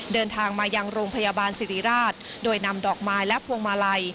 เดินทางมายังโรงพยาบาลสิริราชโดยนำดอกไม้และพวงมาลัย